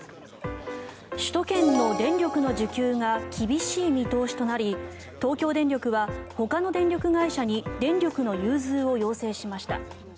首都圏の電力の需給が厳しい見通しとなり東京電力はほかの電力会社に電力の融通を要請しました。